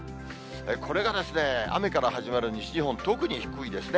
これが雨から始まる西日本、特に低いですね。